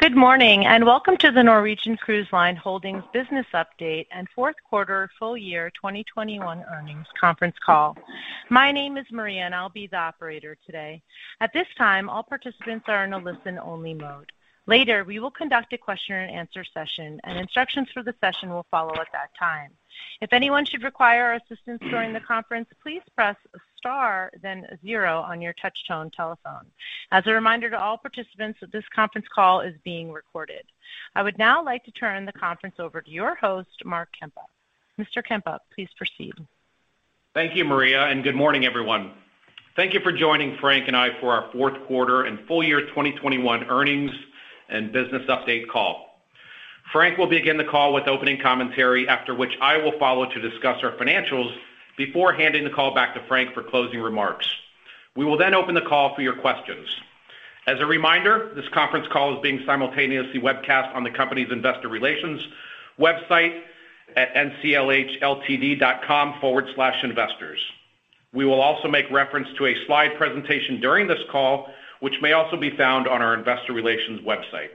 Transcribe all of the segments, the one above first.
Good morning, and welcome to the Norwegian Cruise Line Holdings Business Update and fourth quarter full year 2021 earnings conference call. My name is Maria, and I'll be the operator today. At this time, all participants are in a listen-only mode. Later, we will conduct a question-and-answer session, and instructions for the session will follow at that time. If anyone should require assistance during the conference, please press star then zero on your touchtone telephone. As a reminder to all participants that this conference call is being recorded. I would now like to turn the conference over to your host, Mark Kempa. Mr. Kempa, please proceed. Thank you, Maria, and good morning, everyone. Thank you for joining Frank and I for our fourth quarter and full year 2021 earnings and business update call. Frank will begin the call with opening commentary, after which I will follow to discuss our financials before handing the call back to Frank for closing remarks. We will then open the call for your questions. As a reminder, this conference call is being simultaneously webcast on the company's investor relations website at nclhltd.com/investors. We will also make reference to a slide presentation during this call, which may also be found on our investor relations website.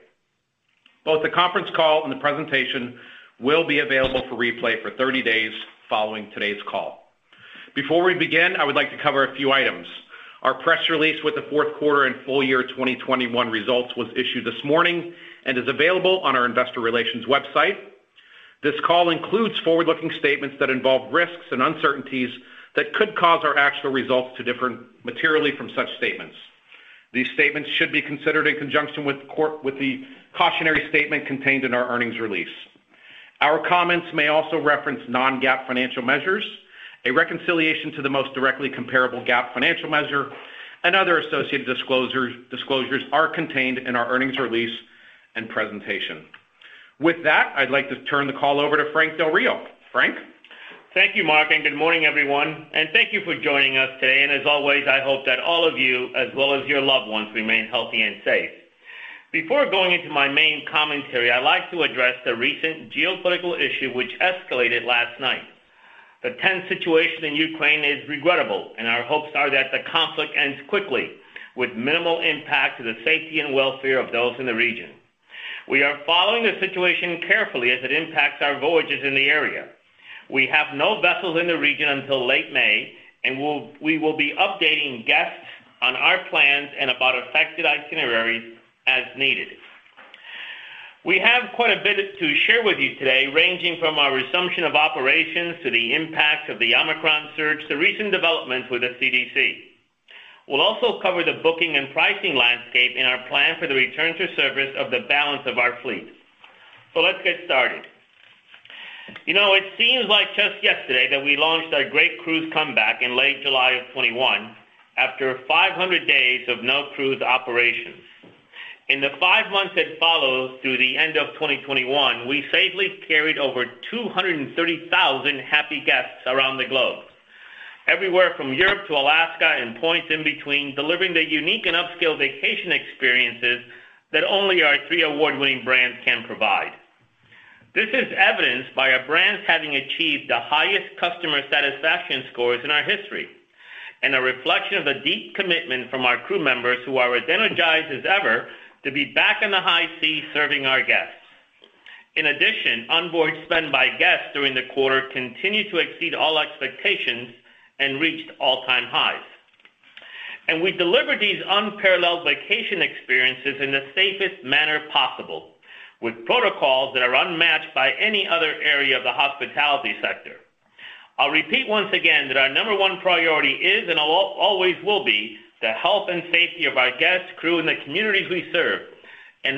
Both the conference call and the presentation will be available for replay for 30 days following today's call. Before we begin, I would like to cover a few items. Our press release with the fourth quarter and full year 2021 results was issued this morning and is available on our investor relations website. This call includes forward-looking statements that involve risks and uncertainties that could cause our actual results to differ materially from such statements. These statements should be considered in conjunction with the cautionary statement contained in our earnings release. Our comments may also reference non-GAAP financial measures. A reconciliation to the most directly comparable GAAP financial measure and other associated disclosures are contained in our earnings release and presentation. With that, I'd like to turn the call over to Frank Del Rio. Frank? Thank you, Mark, and good morning, everyone. Thank you for joining us today. As always, I hope that all of you, as well as your loved ones, remain healthy and safe. Before going into my main commentary, I'd like to address the recent geopolitical issue which escalated last night. The tense situation in Ukraine is regrettable, and our hopes are that the conflict ends quickly with minimal impact to the safety and welfare of those in the region. We are following the situation carefully as it impacts our voyages in the area. We have no vessels in the region until late May, and we will be updating guests on our plans and about affected itineraries as needed. We have quite a bit to share with you today, ranging from our resumption of operations to the impact of the Omicron surge to recent developments with the CDC. We'll also cover the booking and pricing landscape and our plan for the return to service of the balance of our fleet. Let's get started. You know, it seems like just yesterday that we launched our great cruise comeback in late July 2021 after 500 days of no cruise operations. In the five months that followed through the end of 2021, we safely carried over 230,000 happy guests around the globe, everywhere from Europe to Alaska and points in between, delivering the unique and upscale vacation experiences that only our three award-winning brands can provide. This is evidenced by our brands having achieved the highest customer satisfaction scores in our history and a reflection of the deep commitment from our crew members who are as energized as ever to be back on the high seas serving our guests. In addition, onboard spend by guests during the quarter continued to exceed all expectations and reached all-time highs. We delivered these unparalleled vacation experiences in the safest manner possible with protocols that are unmatched by any other area of the hospitality sector. I'll repeat once again that our number one priority is, and always will be, the health and safety of our guests, crew, and the communities we serve.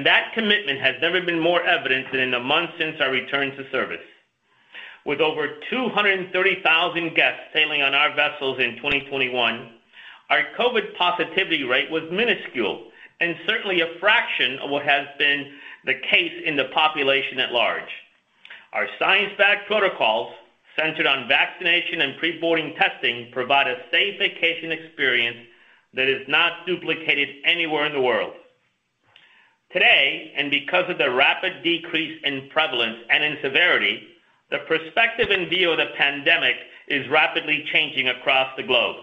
That commitment has never been more evident than in the months since our return to service. With over 230,000 guests sailing on our vessels in 2021, our COVID positivity rate was minuscule and certainly a fraction of what has been the case in the population at large. Our science-backed protocols, centered on vaccination and pre-boarding testing, provide a safe vacation experience that is not duplicated anywhere in the world. Today, because of the rapid decrease in prevalence and in severity, the perspective and view of the pandemic is rapidly changing across the globe.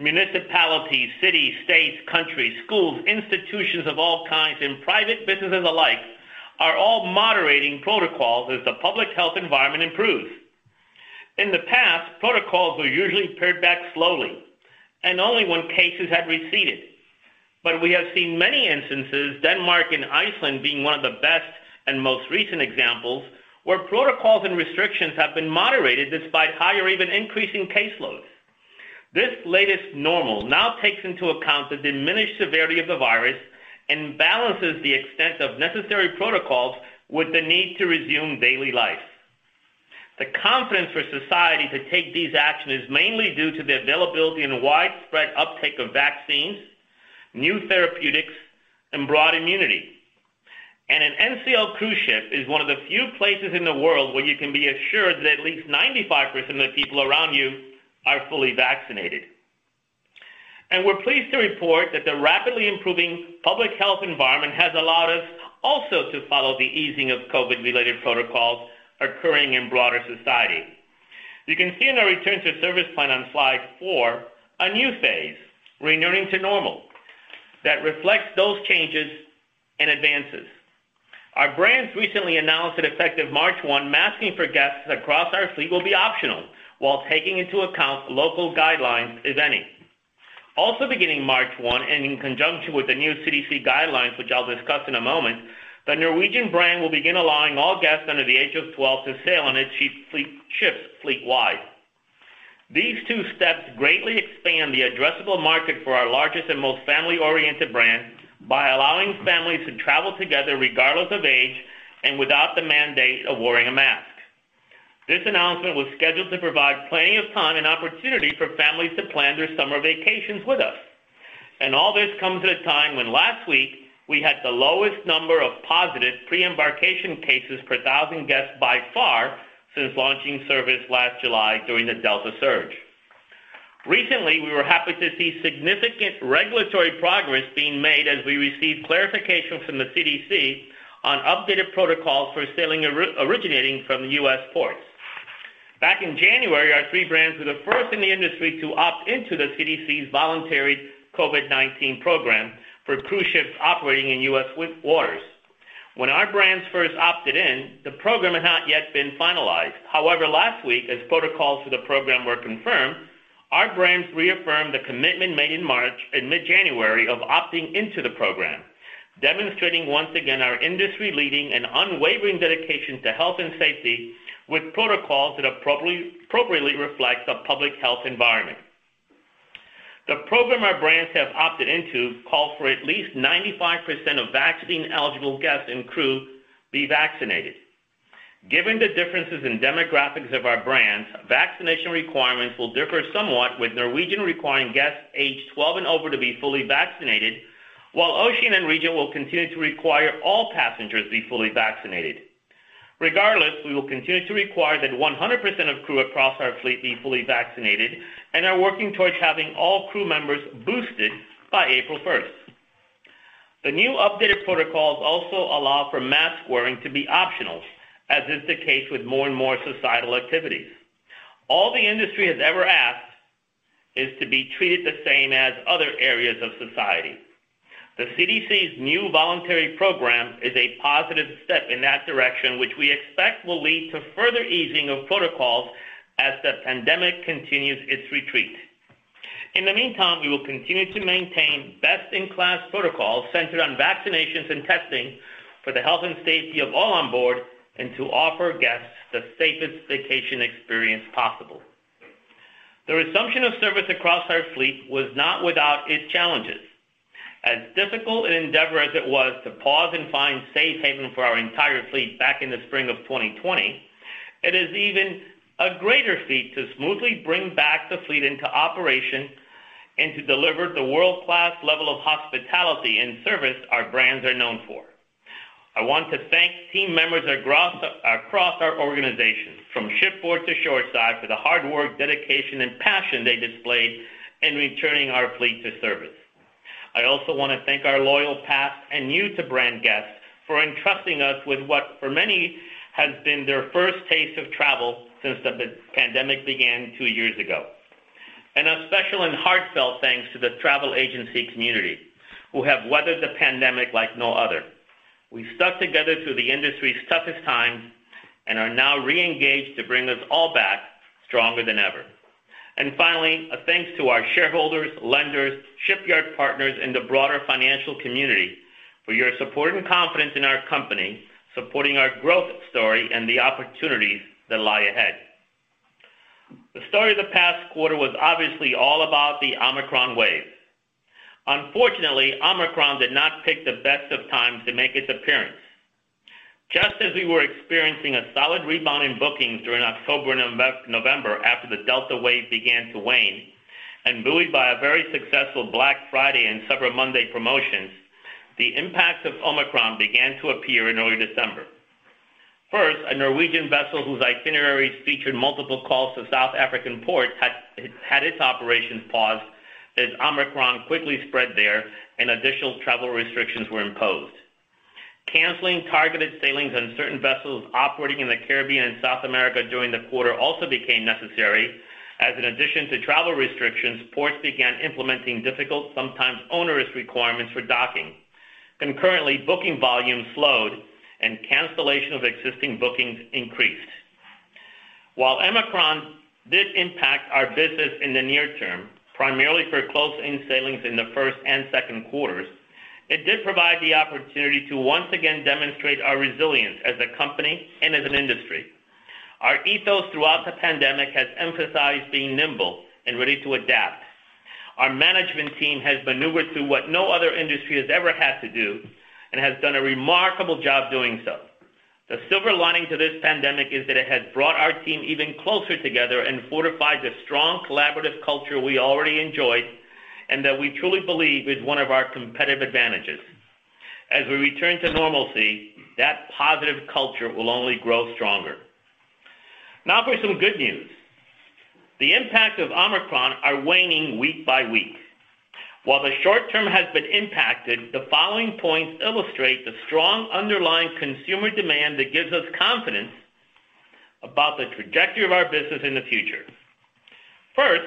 Municipalities, cities, states, countries, schools, institutions of all kinds, and private businesses alike are all moderating protocols as the public health environment improves. In the past, protocols were usually pared back slowly and only when cases had receded. We have seen many instances, Denmark and Iceland being one of the best and most recent examples, where protocols and restrictions have been moderated despite higher even increasing caseloads. This latest normal now takes into account the diminished severity of the virus and balances the extent of necessary protocols with the need to resume daily life. The confidence for society to take these actions is mainly due to the availability and widespread uptake of vaccines, new therapeutics, and broad immunity. An NCL cruise ship is one of the few places in the world where you can be assured that at least 95% of the people around you are fully vaccinated. We're pleased to report that the rapidly improving public health environment has allowed us also to follow the easing of COVID-related protocols occurring in broader society. You can see in our return to service plan on slide four, a new phase, returning to normal, that reflects those changes and advances. Our brands recently announced that effective March 1, masking for guests across our fleet will be optional while taking into account local guidelines, if any. Also beginning March 1, and in conjunction with the new CDC guidelines, which I'll discuss in a moment, the Norwegian brand will begin allowing all guests under the age of 12 to sail on its ships fleet-wide. These two steps greatly expand the addressable market for our largest and most family-oriented brand by allowing families to travel together regardless of age and without the mandate of wearing a mask. This announcement was scheduled to provide plenty of time and opportunity for families to plan their summer vacations with us. All this comes at a time when last week we had the lowest number of positive pre-embarkation cases per thousand guests by far since launching service last July during the Delta surge. Recently, we were happy to see significant regulatory progress being made as we received clarification from the CDC on updated protocols for sailing originating from U.S. ports. Back in January, our three brands were the first in the industry to opt into the CDC's voluntary COVID-19 program for cruise ships operating in U.S. waters. When our brands first opted in, the program had not yet been finalized. However, last week, as protocols for the program were confirmed, our brands reaffirmed the commitment made in mid-January of opting into the program, demonstrating once again our industry-leading and unwavering dedication to health and safety with protocols that appropriately reflects a public health environment. The program our brands have opted into call for at least 95% of vaccine-eligible guests and crew be vaccinated. Given the differences in demographics of our brands, vaccination requirements will differ somewhat, with Norwegian requiring guests aged 12 and over to be fully vaccinated, while Oceania and Regent will continue to require all passengers be fully vaccinated. Regardless, we will continue to require that 100% of crew across our fleet be fully vaccinated and are working towards having all crew members boosted by April 1st. The new updated protocols also allow for mask wearing to be optional, as is the case with more and more societal activities. All the industry has ever asked is to be treated the same as other areas of society. The CDC's new voluntary program is a positive step in that direction, which we expect will lead to further easing of protocols as the pandemic continues its retreat. In the meantime, we will continue to maintain best-in-class protocols centered on vaccinations and testing for the health and safety of all on board and to offer guests the safest vacation experience possible. The resumption of service across our fleet was not without its challenges. As difficult an endeavor as it was to pause and find safe haven for our entire fleet back in the spring of 2020, it is even a greater feat to smoothly bring back the fleet into operation and to deliver the world-class level of hospitality and service our brands are known for. I want to thank team members across our organization, from shipboard to shoreside, for the hard work, dedication and passion they displayed in returning our fleet to service. I also wanna thank our loyal past and new-to-brand guests for entrusting us with what, for many, has been their first taste of travel since the pandemic began two years ago. A special and heartfelt thanks to the travel agency community who have weathered the pandemic like no other. We've stuck together through the industry's toughest times and are now re-engaged to bring us all back stronger than ever. Finally, a thanks to our shareholders, lenders, shipyard partners in the broader financial community for your support and confidence in our company, supporting our growth story and the opportunities that lie ahead. The story of the past quarter was obviously all about the Omicron wave. Unfortunately, Omicron did not pick the best of times to make its appearance. Just as we were experiencing a solid rebound in bookings during October and November after the Delta wave began to wane, and buoyed by a very successful Black Friday and Cyber Monday promotions, the impacts of Omicron began to appear in early December. First, a Norwegian vessel whose itineraries featured multiple calls to South African ports had its operations paused as Omicron quickly spread there and additional travel restrictions were imposed. Canceling targeted sailings on certain vessels operating in the Caribbean and South America during the quarter also became necessary, as in addition to travel restrictions, ports began implementing difficult, sometimes onerous requirements for docking. Concurrently, booking volumes slowed and cancellation of existing bookings increased. While Omicron did impact our business in the near term, primarily for close-in sailings in the first and second quarters, it did provide the opportunity to once again demonstrate our resilience as a company and as an industry. Our ethos throughout the pandemic has emphasized being nimble and ready to adapt. Our management team has maneuvered through what no other industry has ever had to do and has done a remarkable job doing so. The silver lining to this pandemic is that it has brought our team even closer together and fortified the strong collaborative culture we already enjoy and that we truly believe is one of our competitive advantages. As we return to normalcy, that positive culture will only grow stronger. Now for some good news. The impact of Omicron is waning week by week. While the short term has been impacted, the following points illustrate the strong underlying consumer demand that gives us confidence about the trajectory of our business in the future. First,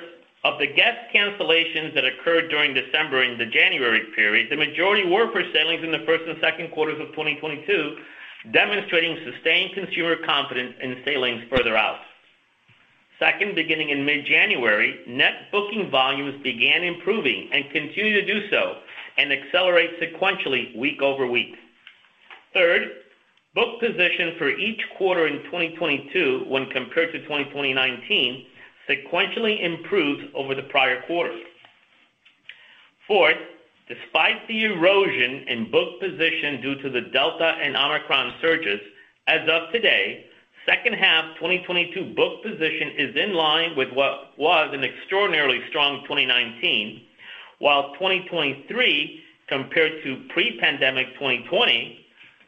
of the guest cancellations that occurred during December and the January period, the majority were for sailings in the first and second quarters of 2022, demonstrating sustained consumer confidence in sailings further out. Second, beginning in mid-January, net booking volumes began improving and continue to do so and accelerate sequentially week over week. Third, book position for each quarter in 2022 when compared to 2019 sequentially improved over the prior quarters. Fourth, despite the erosion in book position due to the Delta and Omicron surges, as of today, second half 2022 book position is in line with what was an extraordinarily strong 2019, while 2023 compared to pre-pandemic 2020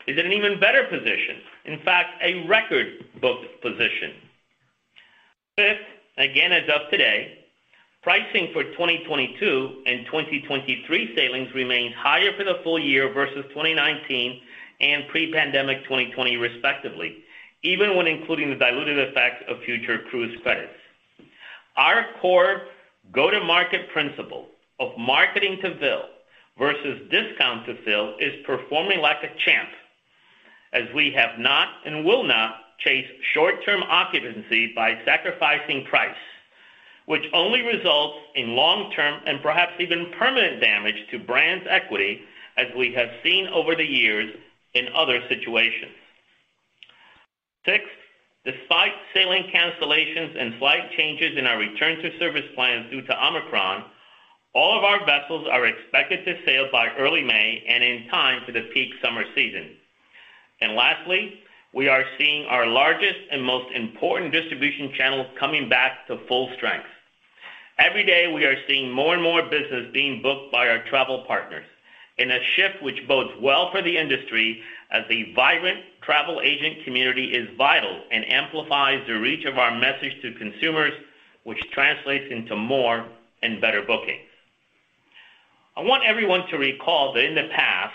is in an even better position. In fact, a record book position. Fifth, again as of today, pricing for 2022 and 2023 sailings remain higher for the full year versus 2019 and pre-pandemic 2020 respectively, even when including the diluted effects of future cruise credits. Our core go-to-market principle of marketing to fill versus discount to fill is performing like a champ as we have not and will not chase short-term occupancy by sacrificing price, which only results in long-term and perhaps even permanent damage to brand's equity as we have seen over the years in other situations. Sixth, despite sailing cancellations and slight changes in our return to service plans due to Omicron, all of our vessels are expected to sail by early May and in time for the peak summer season. Lastly, we are seeing our largest and most important distribution channel coming back to full strength. Every day, we are seeing more and more business being booked by our travel partners in a shift which bodes well for the industry as the vibrant travel agent community is vital and amplifies the reach of our message to consumers, which translates into more and better bookings. I want everyone to recall that in the past,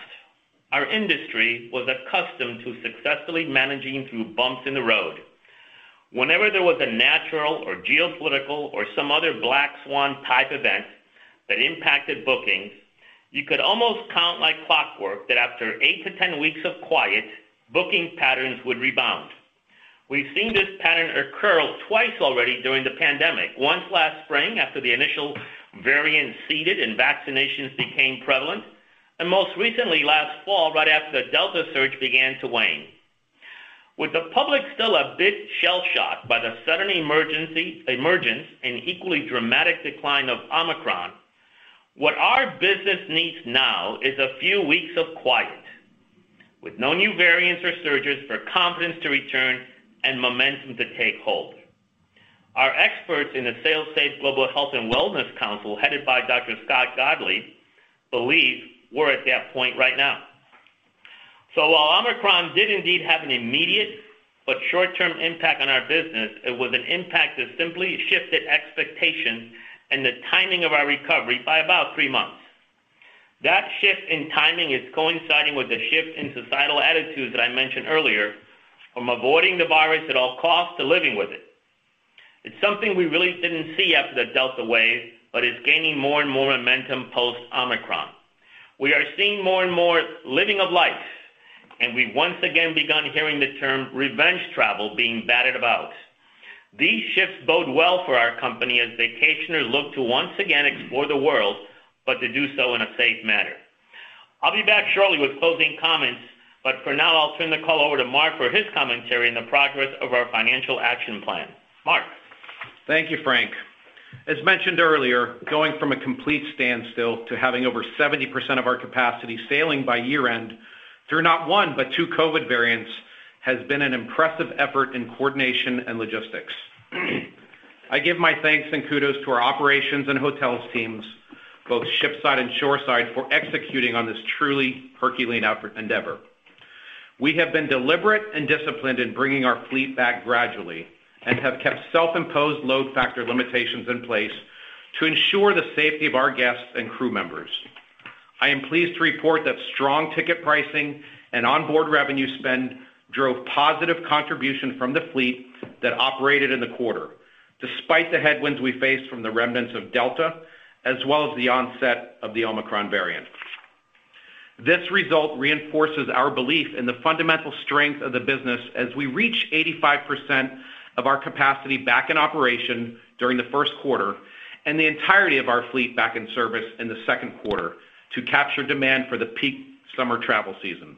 our industry was accustomed to successfully managing through bumps in the road. Whenever there was a natural or geopolitical or some other black swan type event that impacted bookings, you could almost count like clockwork that after eight to 10 weeks of quiet, booking patterns would rebound. We've seen this pattern occur twice already during the pandemic, once last spring after the initial variant receded and vaccinations became prevalent, and most recently last fall right after the Delta surge began to wane. With the public still a bit shell-shocked by the sudden emergence and equally dramatic decline of Omicron, what our business needs now is a few weeks of quiet with no new variants or surges for confidence to return and momentum to take hold. Our experts in the SailSAFE Global Health and Wellness Council, headed by Dr. Scott Gottlieb, believe we're at that point right now. While Omicron did indeed have an immediate but short-term impact on our business, it was an impact that simply shifted expectations and the timing of our recovery by about three months. That shift in timing is coinciding with the shift in societal attitudes that I mentioned earlier, from avoiding the virus at all costs to living with it. It's something we really didn't see after the Delta wave, but is gaining more and more momentum post Omicron. We are seeing more and more living of life, and we've once again begun hearing the term revenge travel being batted about. These shifts bode well for our company as vacationers look to once again explore the world, but to do so in a safe manner. I'll be back shortly with closing comments, but for now I'll turn the call over to Mark for his commentary on the progress of our financial action plan. Mark? Thank you, Frank. As mentioned earlier, going from a complete standstill to having over 70% of our capacity sailing by year-end through not one but two COVID variants has been an impressive effort in coordination and logistics. I give my thanks and kudos to our operations and hotels teams, both shipside and shoreside, for executing on this truly herculean endeavor. We have been deliberate and disciplined in bringing our fleet back gradually and have kept self-imposed load factor limitations in place to ensure the safety of our guests and crew members. I am pleased to report that strong ticket pricing and onboard revenue spend drove positive contribution from the fleet that operated in the quarter, despite the headwinds we faced from the remnants of Delta as well as the onset of the Omicron variant. This result reinforces our belief in the fundamental strength of the business as we reach 85% of our capacity back in operation during the first quarter and the entirety of our fleet back in service in the second quarter to capture demand for the peak summer travel season.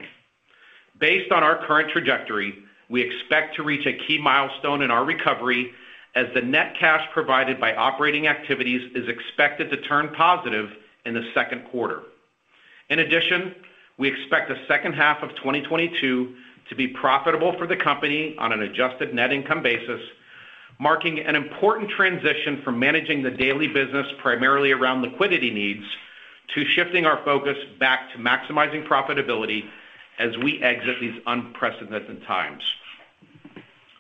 Based on our current trajectory, we expect to reach a key milestone in our recovery as the net cash provided by operating activities is expected to turn positive in the second quarter. In addition, we expect the second half of 2022 to be profitable for the company on an adjusted net income basis, marking an important transition from managing the daily business primarily around liquidity needs to shifting our focus back to maximizing profitability as we exit these unprecedented times.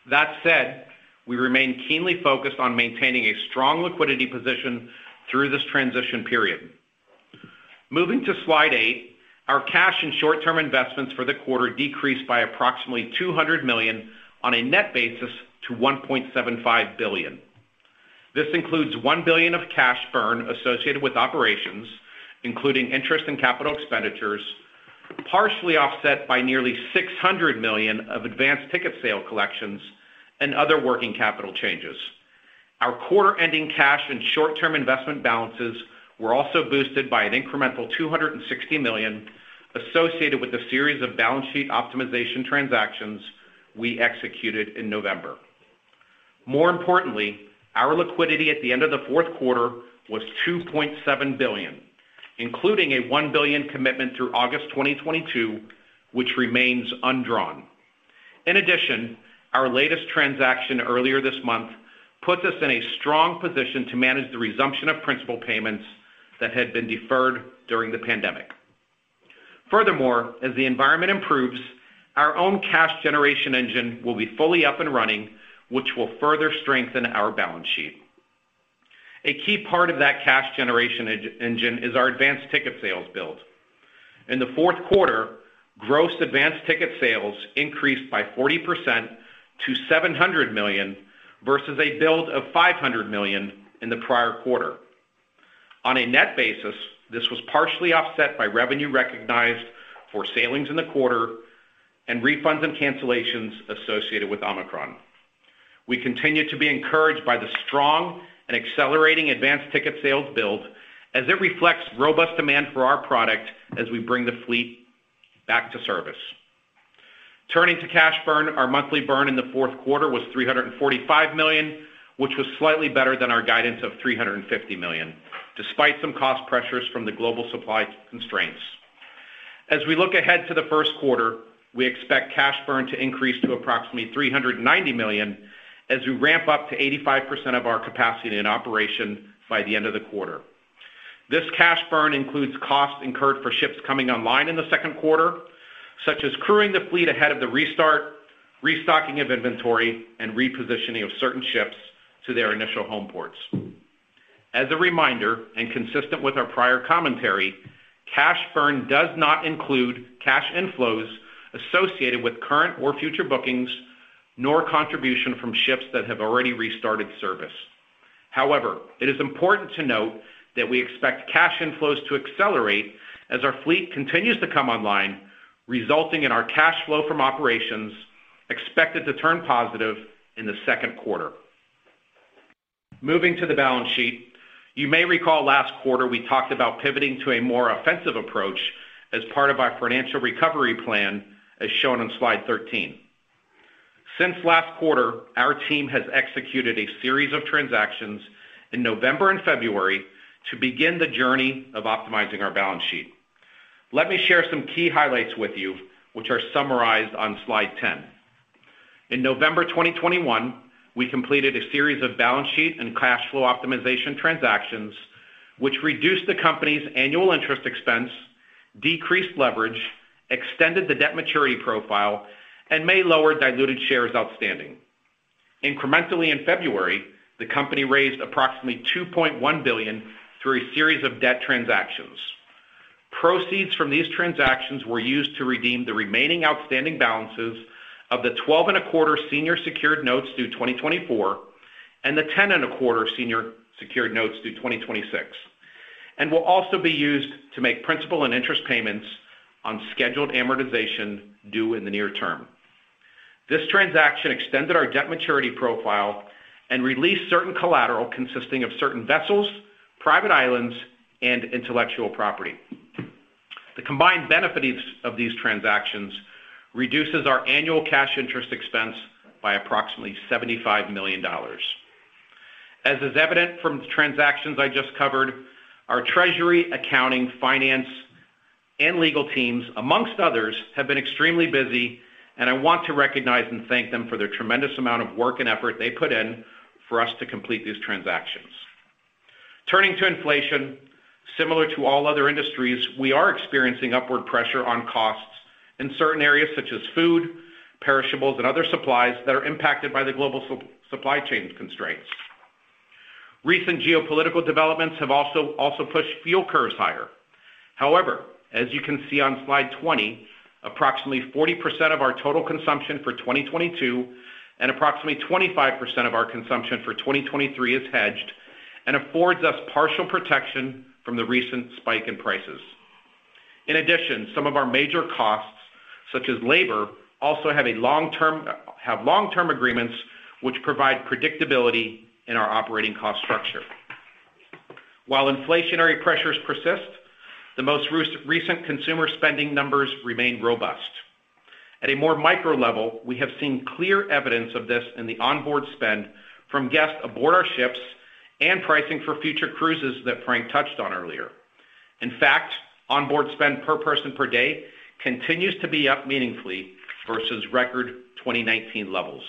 That said, we remain keenly focused on maintaining a strong liquidity position through this transition period. Moving to Slide 8, our cash and short-term investments for the quarter decreased by approximately $200 million on a net basis to $1.75 billion. This includes $1 billion of cash burn associated with operations, including interest and capital expenditures, partially offset by nearly $600 million of advanced ticket sale collections and other working capital changes. Our quarter-ending cash and short-term investment balances were also boosted by an incremental $260 million associated with a series of balance sheet optimization transactions we executed in November. More importantly, our liquidity at the end of the fourth quarter was $2.7 billion, including a $1 billion commitment through August 2022, which remains undrawn. In addition, our latest transaction earlier this month puts us in a strong position to manage the resumption of principal payments that had been deferred during the pandemic. Furthermore, as the environment improves, our own cash generation engine will be fully up and running, which will further strengthen our balance sheet. A key part of that cash generation engine is our advanced ticket sales build. In the fourth quarter, gross advanced ticket sales increased by 40% to $700 million versus a build of $500 million in the prior quarter. On a net basis, this was partially offset by revenue recognized for sailings in the quarter and refunds and cancellations associated with Omicron. We continue to be encouraged by the strong and accelerating advanced ticket sales build as it reflects robust demand for our product as we bring the fleet back to service. Turning to cash burn, our monthly burn in the fourth quarter was $345 million, which was slightly better than our guidance of $350 million, despite some cost pressures from the global supply constraints. As we look ahead to the first quarter, we expect cash burn to increase to approximately $390 million as we ramp up to 85% of our capacity and operation by the end of the quarter. This cash burn includes costs incurred for ships coming online in the second quarter, such as crewing the fleet ahead of the restart, restocking of inventory, and repositioning of certain ships to their initial home ports. As a reminder, and consistent with our prior commentary, cash burn does not include cash inflows associated with current or future bookings, nor contribution from ships that have already restarted service. However, it is important to note that we expect cash inflows to accelerate as our fleet continues to come online, resulting in our cash flow from operations expected to turn positive in the second quarter. Moving to the balance sheet, you may recall last quarter we talked about pivoting to a more offensive approach as part of our financial recovery plan as shown on slide 13. Since last quarter, our team has executed a series of transactions in November and February to begin the journey of optimizing our balance sheet. Let me share some key highlights with you which are summarized on slide 10. In November 2021, we completed a series of balance sheet and cash flow optimization transactions which reduced the company's annual interest expense, decreased leverage, extended the debt maturity profile, and may lower diluted shares outstanding. Incrementally in February, the company raised approximately $2.1 billion through a series of debt transactions. Proceeds from these transactions were used to redeem the remaining outstanding balances of the 12.25 senior secured notes due 2024 and the 10.25 senior secured notes due 2026, and will also be used to make principal and interest payments on scheduled amortization due in the near term. This transaction extended our debt maturity profile and released certain collateral consisting of certain vessels, private islands, and intellectual property. The combined benefit of these transactions reduces our annual cash interest expense by approximately $75 million. As is evident from the transactions I just covered, our treasury accounting, finance, and legal teams, amongst others, have been extremely busy, and I want to recognize and thank them for their tremendous amount of work and effort they put in for us to complete these transactions. Turning to inflation, similar to all other industries, we are experiencing upward pressure on costs in certain areas such as food, perishables, and other supplies that are impacted by the global supply chain constraints. Recent geopolitical developments have also pushed fuel curves higher. However, as you can see on slide 20, approximately 40% of our total consumption for 2022 and approximately 25% of our consumption for 2023 is hedged and affords us partial protection from the recent spike in prices. In addition, some of our major costs, such as labor, also have long-term agreements which provide predictability in our operating cost structure. While inflationary pressures persist, the most recent consumer spending numbers remain robust. At a more micro level, we have seen clear evidence of this in the onboard spend from guests aboard our ships and pricing for future cruises that Frank touched on earlier. In fact, onboard spend per person per day continues to be up meaningfully versus record 2019 levels.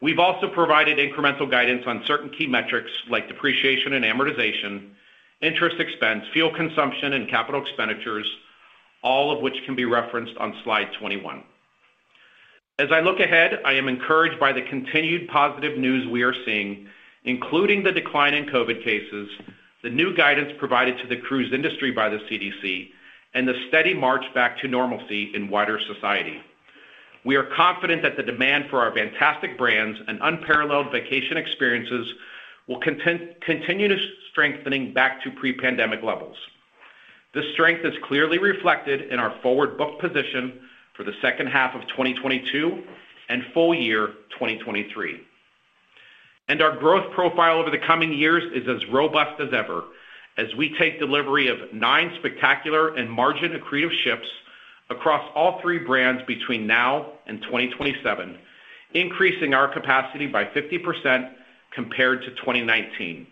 We've also provided incremental guidance on certain key metrics like depreciation and amortization, interest expense, fuel consumption, and capital expenditures, all of which can be referenced on slide 21. As I look ahead, I am encouraged by the continued positive news we are seeing, including the decline in COVID cases, the new guidance provided to the cruise industry by the CDC, and the steady march back to normalcy in wider society. We are confident that the demand for our fantastic brands and unparalleled vacation experiences will continue to strengthen back to pre-pandemic levels. This strength is clearly reflected in our forward book position for the second half of 2022 and full year 2023. Our growth profile over the coming years is as robust as ever as we take delivery of nine spectacular and margin-accretive ships across all three brands between now and 2027, increasing our capacity by 50% compared to 2019.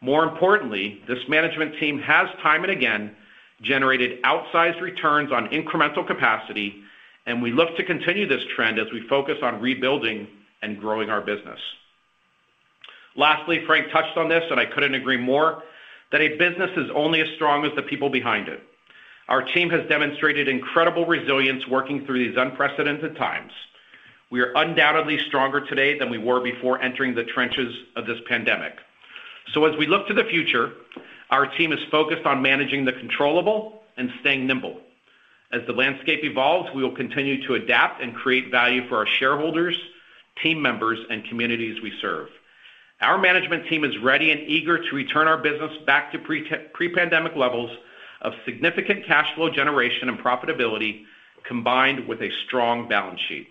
More importantly, this management team has time and again generated outsized returns on incremental capacity, and we look to continue this trend as we focus on rebuilding and growing our business. Lastly, Frank touched on this, and I couldn't agree more that a business is only as strong as the people behind it. Our team has demonstrated incredible resilience working through these unprecedented times. We are undoubtedly stronger today than we were before entering the trenches of this pandemic. As we look to the future, our team is focused on managing the controllable and staying nimble. As the landscape evolves, we will continue to adapt and create value for our shareholders, team members, and communities we serve. Our management team is ready and eager to return our business back to pre-pandemic levels of significant cash flow generation and profitability, combined with a strong balance sheet.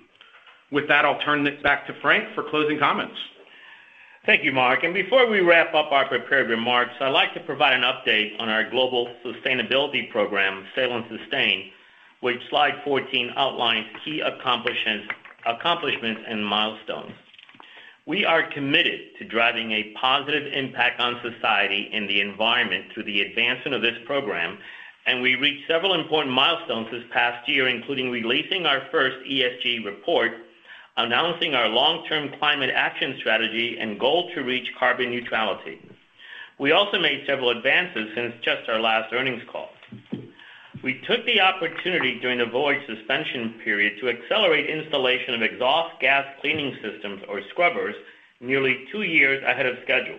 With that, I'll turn it back to Frank for closing comments. Thank you, Mark. Before we wrap up our prepared remarks, I'd like to provide an update on our global sustainability program, Sail & Sustain, which slide 14 outlines key accomplishments and milestones. We are committed to driving a positive impact on society and the environment through the advancement of this program, and we reached several important milestones this past year, including releasing our first ESG report, announcing our long-term climate action strategy, and goal to reach carbon neutrality. We also made several advances since just our last earnings call. We took the opportunity during the voyage suspension period to accelerate installation of exhaust gas cleaning systems or scrubbers nearly two years ahead of schedule.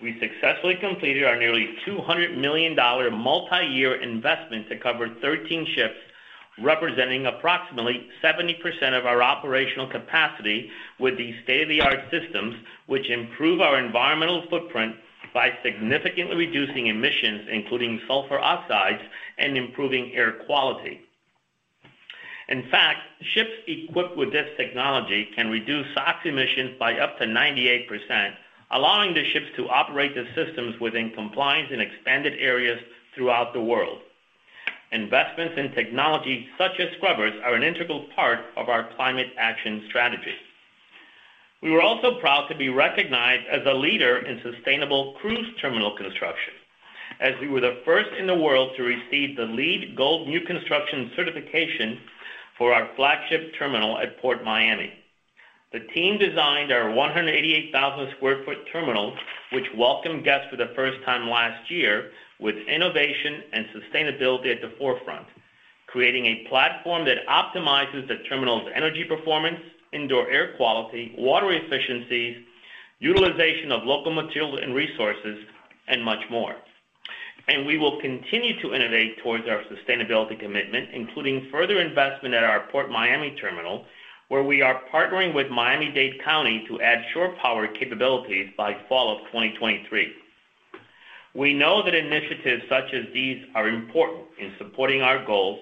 We successfully completed our nearly $200 million multi-year investment that covered 13 ships, representing approximately 70% of our operational capacity with these state-of-the-art systems, which improve our environmental footprint by significantly reducing emissions, including sulfur oxides and improving air quality. In fact, ships equipped with this technology can reduce SOx emissions by up to 98%, allowing the ships to operate the systems within compliance in expanded areas throughout the world. Investments in technology such as scrubbers are an integral part of our climate action strategy. We were also proud to be recognized as a leader in sustainable cruise terminal construction as we were the first in the world to receive the LEED Gold New Construction certification for our flagship terminal at Port Miami. The team designed our 188,000 sq ft terminal, which welcomed guests for the first time last year with innovation and sustainability at the forefront, creating a platform that optimizes the terminal's energy performance, indoor air quality, water efficiency, utilization of local materials and resources, and much more. We will continue to innovate towards our sustainability commitment, including further investment at our Port Miami terminal, where we are partnering with Miami-Dade County to add shore power capabilities by fall of 2023. We know that initiatives such as these are important in supporting our goals,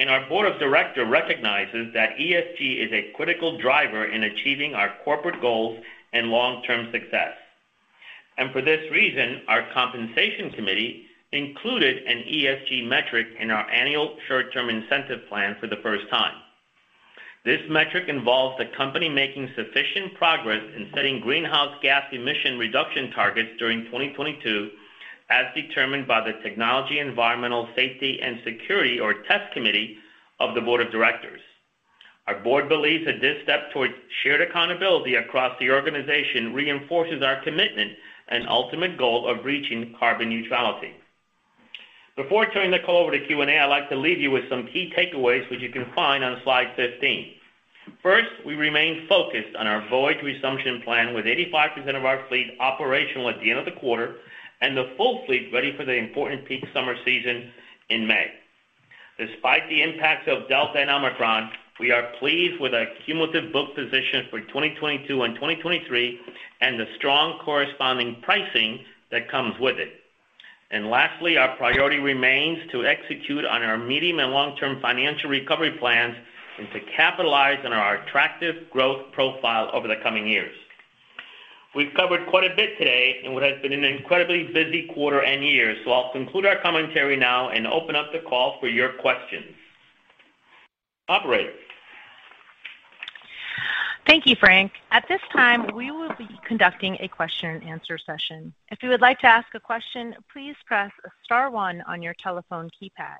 and our board of directors recognizes that ESG is a critical driver in achieving our corporate goals and long-term success. For this reason, our compensation committee included an ESG metric in our annual short-term incentive plan for the first time. This metric involves the company making sufficient progress in setting greenhouse gas emission reduction targets during 2022, as determined by the Technology, Environmental, Safety and Security or TESS committee of the board of directors. Our board believes that this step towards shared accountability across the organization reinforces our commitment and ultimate goal of reaching carbon neutrality. Before turning the call over to Q and A, I'd like to leave you with some key takeaways which you can find on slide 15. First, we remain focused on our voyage resumption plan with 85% of our fleet operational at the end of the quarter and the full fleet ready for the important peak summer season in May. Despite the impacts of Delta and Omicron, we are pleased with our cumulative book position for 2022 and 2023 and the strong corresponding pricing that comes with it. Lastly, our priority remains to execute on our medium and long-term financial recovery plans and to capitalize on our attractive growth profile over the coming years. We've covered quite a bit today in what has been an incredibly busy quarter and year. I'll conclude our commentary now and open up the call for your questions. Operator? Thank you, Frank. At this time, we will be conducting a question-and-answer session. If you would like to ask a question, please press star one on your telephone keypad.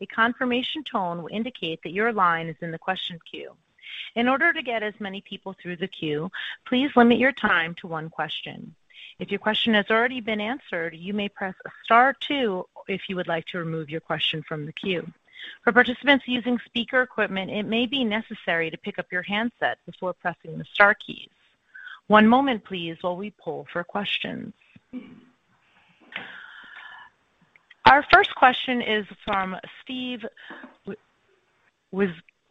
A confirmation tone will indicate that your line is in the question queue. In order to get as many people through the queue, please limit your time to one question. If your question has already been answered, you may press star two if you would like to remove your question from the queue. For participants using speaker equipment, it may be necessary to pick up your handset before pressing the star keys. One moment please while we poll for questions. Our first question is from Steven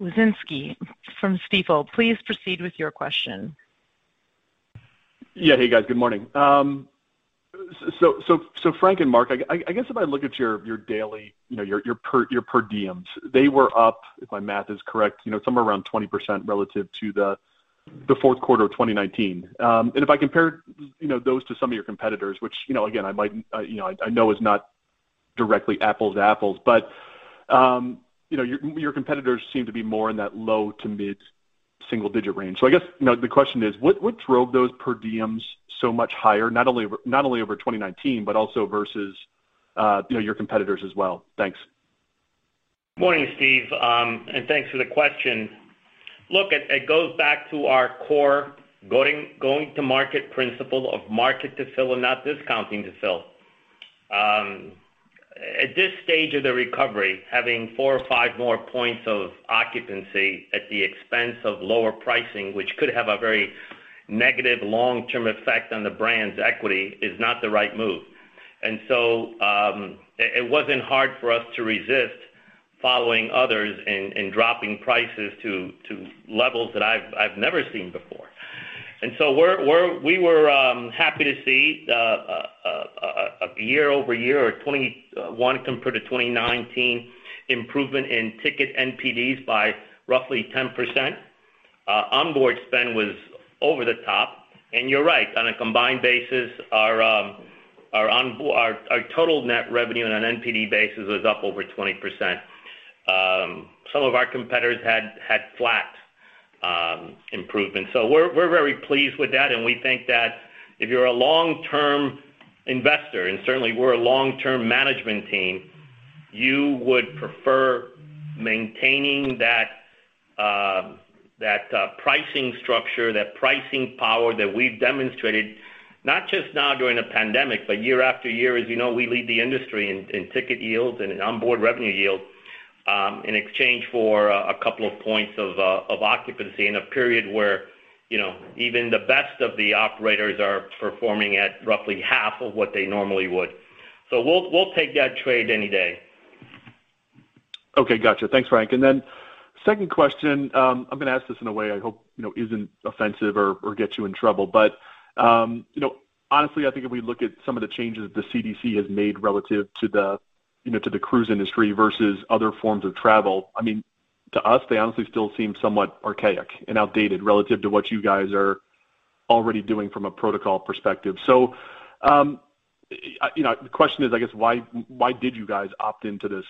Wieczynski from Stifel. Please proceed with your question. Yeah. Hey, guys. Good morning. Frank and Mark, I guess if I look at your daily, you know, your per diems, they were up, if my math is correct, you know, somewhere around 20% relative to the fourth quarter of 2019. If I compare, you know, those to some of your competitors, which, you know, again, I might, you know, I know is not directly apples to apples, but, you know, your competitors seem to be more in that low- to mid-single-digit range. I guess, you know, the question is what drove those per diems so much higher, not only over 2019, but also versus, you know, your competitors as well? Thanks. Morning, Steve, and thanks for the question. Look, it goes back to our core going to market principle of market to fill and not discounting to fill. At this stage of the recovery, having four or five more points of occupancy at the expense of lower pricing, which could have a very negative long-term effect on the brand's equity, is not the right move. It wasn't hard for us to resist following others in dropping prices to levels that I've never seen before. We were happy to see the year-over-year or 2021 compared to 2019 improvement in ticket NPDs by roughly 10%. Onboard spend was over the top. You're right, on a combined basis our total net revenue on an NPD basis was up over 20%. Some of our competitors had flat improvements. We're very pleased with that, and we think that if you're a long-term investor, and certainly we're a long-term management team, you would prefer maintaining that pricing structure, that pricing power that we've demonstrated, not just now during a pandemic, but year after year. As you know, we lead the industry in ticket yields and in onboard revenue yield, in exchange for a couple of points of occupancy in a period where, you know, even the best of the operators are performing at roughly half of what they normally would. We'll take that trade any day. Okay. Gotcha. Thanks, Frank. Second question, I'm gonna ask this in a way I hope, you know, isn't offensive or gets you in trouble. But you know, honestly, I think if we look at some of the changes the CDC has made relative to the, you know, to the cruise industry versus other forms of travel, I mean, to us, they honestly still seem somewhat archaic and outdated relative to what you guys are already doing from a protocol perspective. You know, the question is, I guess, why did you guys opt into this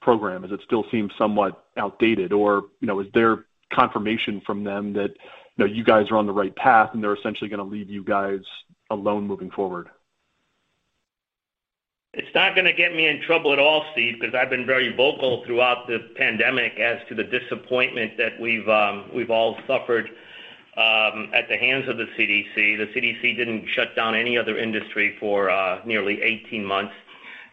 program, as it still seems somewhat outdated? You know, is there confirmation from them that, you know, you guys are on the right path, and they're essentially gonna leave you guys alone moving forward? It's not gonna get me in trouble at all, Steve, because I've been very vocal throughout this pandemic as to the disappointment that we've all suffered at the hands of the CDC. The CDC didn't shut down any other industry for nearly 18 months,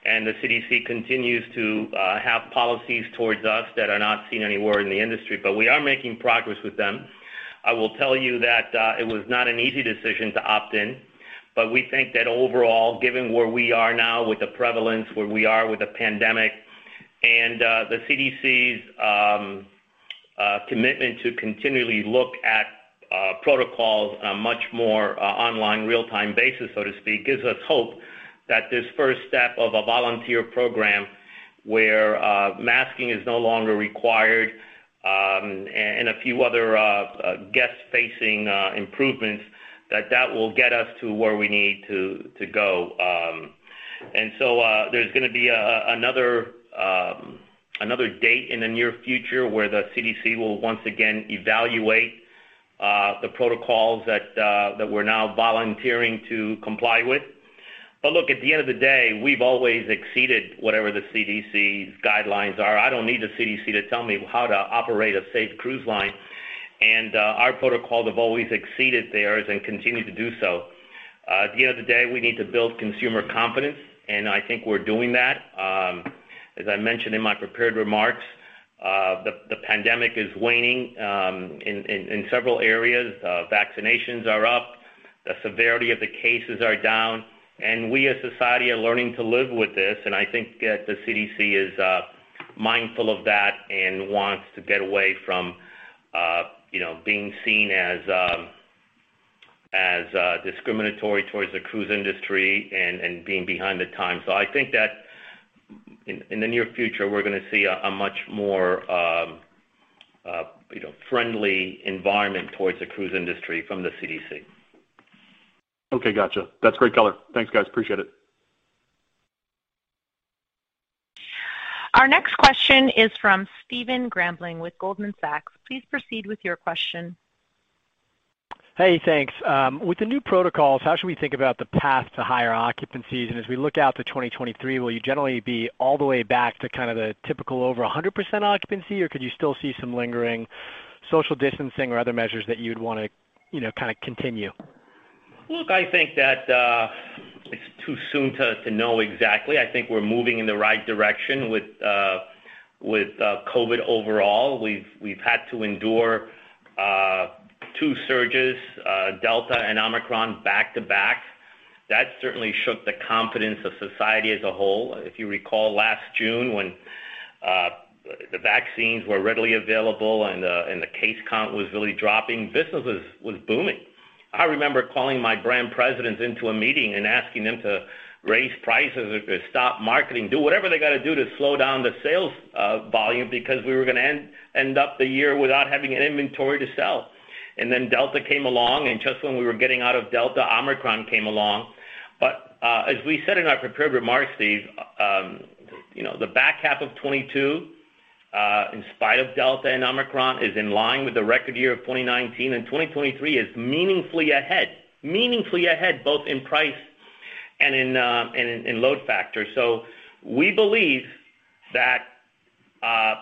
and the CDC continues to have policies towards us that are not seen anywhere in the industry. We are making progress with them. I will tell you that it was not an easy decision to opt in, but we think that overall, given where we are now with the prevalence, where we are with the pandemic, and the CDC's commitment to continually look at protocols on a much more ongoing real-time basis, so to speak, gives us hope that this first step of a voluntary program where masking is no longer required, and a few other guest-facing improvements, that will get us to where we need to go. There's gonna be another date in the near future where the CDC will once again evaluate the protocols that we're now volunteering to comply with. Look, at the end of the day, we've always exceeded whatever the CDC's guidelines are. I don't need the CDC to tell me how to operate a safe cruise line, and our protocols have always exceeded theirs and continue to do so. At the end of the day, we need to build consumer confidence, and I think we're doing that. As I mentioned in my prepared remarks, the pandemic is waning in several areas. Vaccinations are up, the severity of the cases are down, and we as society are learning to live with this. I think that the CDC is mindful of that and wants to get away from you know, being seen as discriminatory towards the cruise industry and being behind the times. I think that in the near future, we're gonna see a much more, you know, friendly environment towards the cruise industry from the CDC. Okay. Gotcha. That's great color. Thanks, guys. Appreciate it. Our next question is from Stephen Grambling with Goldman Sachs. Please proceed with your question. Hey, thanks. With the new protocols, how should we think about the path to higher occupancies? As we look out to 2023, will you generally be all the way back to kind of the typical over 100% occupancy or could you still see some lingering social distancing or other measures that you'd wanna, you know, kinda continue? Look, I think that it's too soon to know exactly. I think we're moving in the right direction with COVID overall. We've had to endure two surges, Delta and Omicron back-to-back. That certainly shook the confidence of society as a whole. If you recall last June when the vaccines were readily available and the case count was really dropping, businesses was booming. I remember calling my brand presidents into a meeting and asking them to raise prices or stop marketing, do whatever they gotta do to slow down the sales volume because we were gonna end up the year without having any inventory to sell. Delta came along, and just when we were getting out of Delta, Omicron came along. As we said in our prepared remarks, Steve, you know, the back half of 2022, in spite of Delta and Omicron, is in line with the record year of 2019, and 2023 is meaningfully ahead, both in price and in load factor. We believe that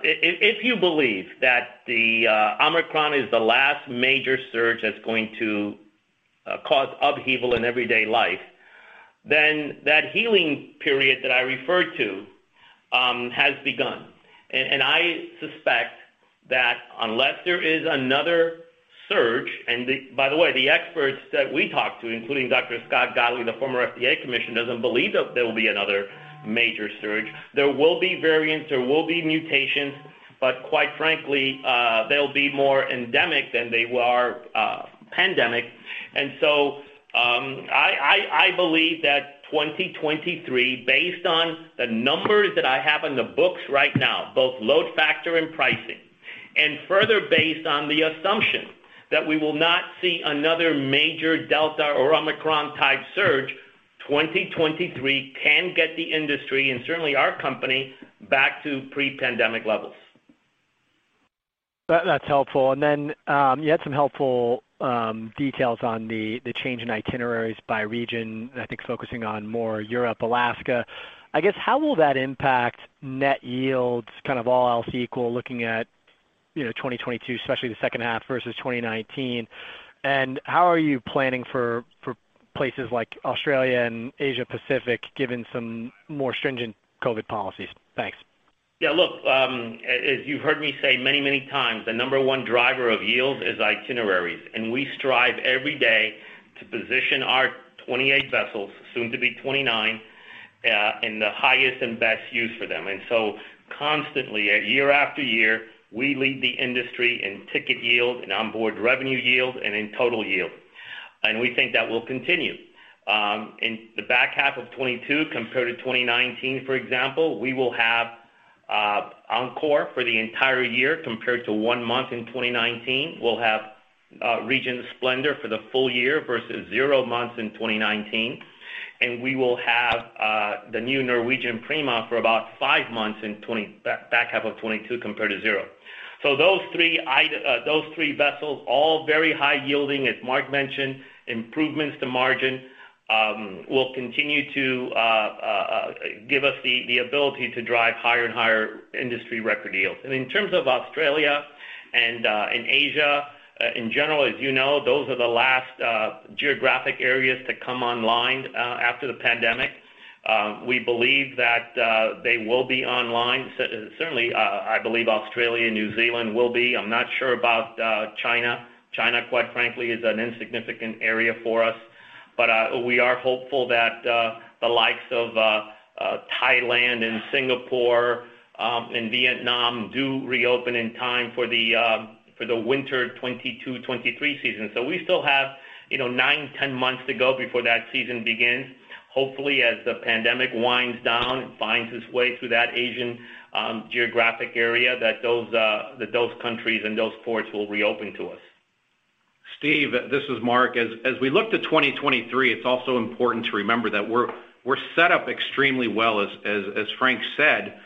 if you believe that Omicron is the last major surge that's going to cause upheaval in everyday life, then that healing period that I referred to has begun. I suspect that unless there is another surge, by the way, the experts that we talk to, including Dr. Scott Gottlieb, the former FDA commissioner, doesn't believe that there will be another major surge. There will be variants, there will be mutations, but quite frankly, they'll be more endemic than they are pandemic. I believe that 2023, based on the numbers that I have on the books right now, both load factor and pricing, and further based on the assumption that we will not see another major Delta or Omicron-type surge, 2023 can get the industry, and certainly our company, back to pre-pandemic levels. That's helpful. You had some helpful details on the change in itineraries by region, I think focusing on more Europe, Alaska. I guess, how will that impact net yields kind of all else equal looking at, you know, 2022, especially the second half versus 2019? How are you planning for places like Australia and Asia Pacific given some more stringent COVID policies? Thanks. Yeah, look, as you've heard me say many times, the number one driver of yield is itineraries. We strive every day to position our 28 vessels, soon to be 29, in the highest and best use for them. Constantly, year after year, we lead the industry in ticket yield and onboard revenue yield and in total yield. We think that will continue. In the back half of 2022 compared to 2019, for example, we will have Encore for the entire year compared to one month in 2019. We'll have Seven Seas Splendor for the full year versus zero months in 2019. We will have the new Norwegian Prima for about five months in back half of 2022 compared to zero. Those three vessels, all very high yielding, as Mark mentioned, improvements to margin, will continue to give us the ability to drive higher and higher industry record yields. In terms of Australia and Asia, in general, as you know, those are the last geographic areas to come online after the pandemic. We believe that they will be online. Certainly, I believe Australia and New Zealand will be. I'm not sure about China. China, quite frankly, is an insignificant area for us. We are hopeful that the likes of Thailand and Singapore and Vietnam do reopen in time for the winter 2022/2023 season. We still have, you know, nine, 10 months to go before that season begins. Hopefully, as the pandemic winds down and finds its way through that Asian geographic area, that those countries and those ports will reopen to us. Steve, this is Mark. As we look to 2023, it's also important to remember that we're set up extremely well. As Frank said,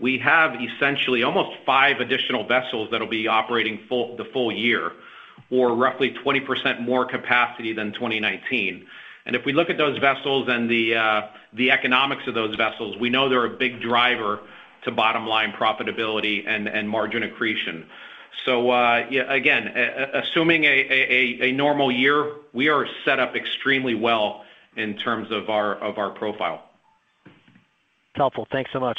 we have essentially almost five additional vessels that'll be operating the full year, or roughly 20% more capacity than 2019. If we look at those vessels and the economics of those vessels, we know they're a big driver to bottom-line profitability and margin accretion. Yeah, again, assuming a normal year, we are set up extremely well in terms of our profile. Helpful. Thanks so much.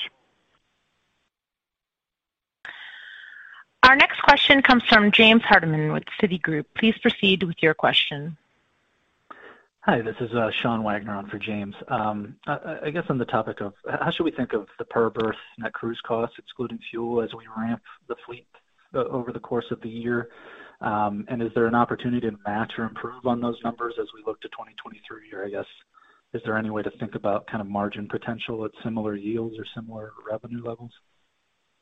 Our next question comes from James Hardiman with Citigroup. Please proceed with your question. Hi, this is Sean Wagner on for James. I guess on the topic of how should we think of the per berth net cruise cost, excluding fuel, as we ramp the fleet over the course of the year? And is there an opportunity to match or improve on those numbers as we look to 2023, or I guess, is there any way to think about kind of margin potential at similar yields or similar revenue levels?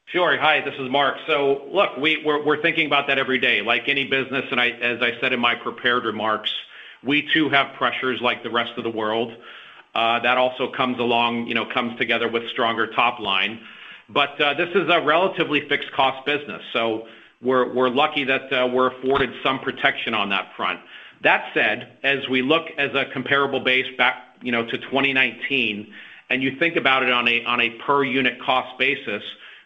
Sure. Hi, this is Mark. Look, we're thinking about that every day. Like any business, as I said in my prepared remarks, we too have pressures like the rest of the world, that also comes along, you know, comes together with stronger top line. This is a relatively fixed cost business, so we're lucky that we're afforded some protection on that front. That said, as we look at a comparable base back, you know, to 2019, and you think about it on a per unit cost basis,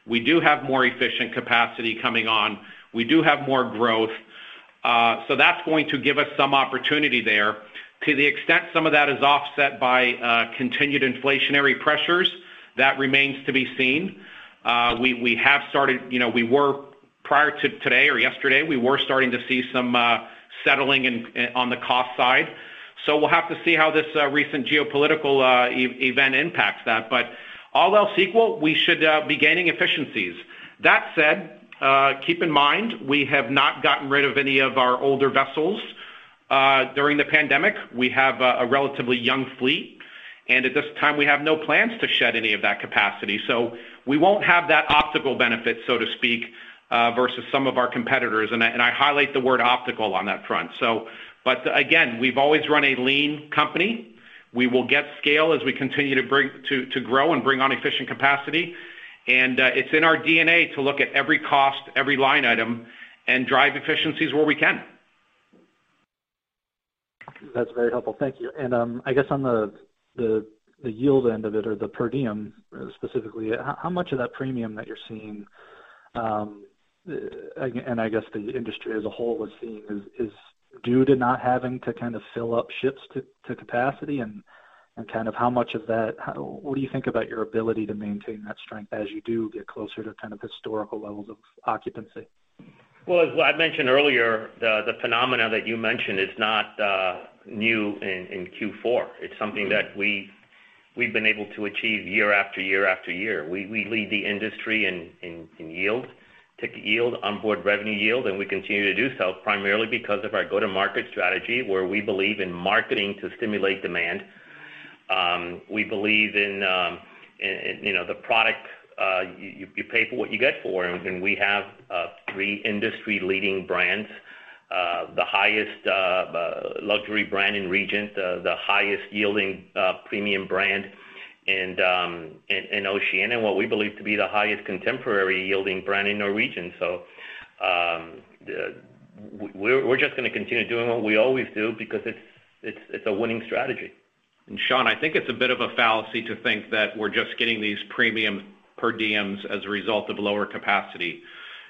we do have more efficient capacity coming on. We do have more growth, so that's going to give us some opportunity there. To the extent some of that is offset by continued inflationary pressures, that remains to be seen. You know, prior to today or yesterday, we were starting to see some settling in on the cost side. We'll have to see how this recent geopolitical event impacts that. All else equal, we should be gaining efficiencies. That said, keep in mind, we have not gotten rid of any of our older vessels during the pandemic. We have a relatively young fleet, and at this time, we have no plans to shed any of that capacity. We won't have that optical benefit, so to speak, versus some of our competitors, and I highlight the word optical on that front. But again, we've always run a lean company. We will get scale as we continue to grow and bring on efficient capacity. It's in our DNA to look at every cost, every line item, and drive efficiencies where we can. That's very helpful. Thank you. I guess on the yield end of it or the per diem specifically, how much of that premium that you're seeing, again, and I guess the industry as a whole is seeing is due to not having to kind of fill up ships to capacity? What do you think about your ability to maintain that strength as you do get closer to kind of historical levels of occupancy? Well, as I mentioned earlier, the phenomena that you mentioned is not new in Q4. It's something that we've been able to achieve year after year after year. We lead the industry in yield, ticket yield, onboard revenue yield, and we continue to do so primarily because of our go-to-market strategy, where we believe in marketing to stimulate demand. We believe in, you know, the product. You pay for what you get for. And we have three industry-leading brands. The highest luxury brand in Regent, the highest-yielding premium brand in Oceania, and what we believe to be the highest contemporary-yielding brand in Norwegian. We're just gonna continue doing what we always do because it's a winning strategy. Sean, I think it's a bit of a fallacy to think that we're just getting these premium per diems as a result of lower capacity.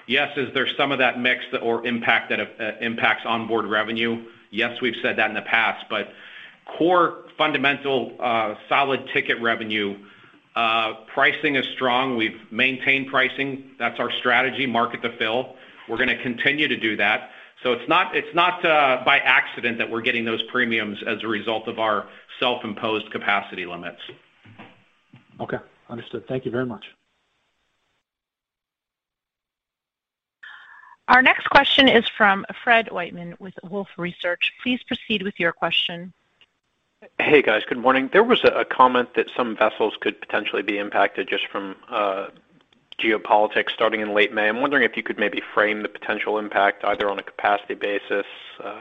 Yes, is there some of that mix or impact that impacts onboard revenue? Yes, we've said that in the past. Core fundamental solid ticket revenue pricing is strong. We've maintained pricing. That's our strategy, market to fill. We're gonna continue to do that. It's not by accident that we're getting those premiums as a result of our self-imposed capacity limits. Okay. Understood. Thank you very much. Our next question is from Fred Wightman with Wolfe Research. Please proceed with your question. Hey, guys. Good morning. There was a comment that some vessels could potentially be impacted just from geopolitics starting in late May. I'm wondering if you could maybe frame the potential impact either on a capacity basis,